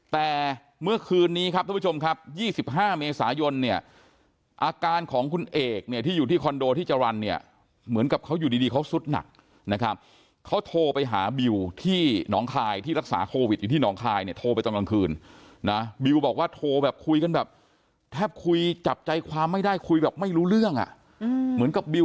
แต่เมื่อคืนนี้ครับทุกผู้ชมครับ๒๕เมษายนเนี่ยอาการของคุณเอกเนี่ยที่อยู่ที่คอนโดที่จรรย์เนี่ยเหมือนกับเขาอยู่ดีเขาสุดหนักนะครับเขาโทรไปหาบิวที่หนองคายที่รักษาโควิดอยู่ที่หนองคายเนี่ยโทรไปตอนกลางคืนนะบิวบอกว่าโทรแบบคุยกันแบบแทบคุยจับใจความไม่ได้คุยแบบไม่รู้เรื่องอ่ะเหมือนกับบิว